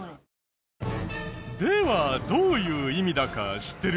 ではどういう意味だか知ってる？